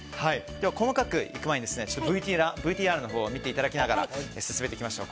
細かくいく前にＶＴＲを見ていただきながら進めていきましょう。